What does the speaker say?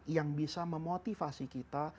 yang bisa memotivasi kita